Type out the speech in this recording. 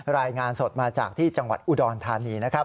รายงานสดมาจากที่จังหวัดอุดรธานีนะครับ